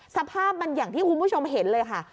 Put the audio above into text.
สภาพมันอย่างที่คุณผู้ชมเห็นเลยค่ะ